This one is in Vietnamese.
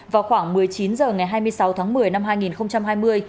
vào khoảng một mươi chín h ngày hai mươi sáu tháng một mươi năm hai nghìn hai mươi